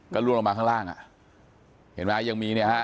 ก็ล่วงลงมาข้างล่างอ่ะเห็นไหมยังมีเนี่ยฮะ